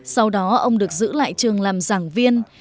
sau đó ông được giữ lại trường làm giảng viên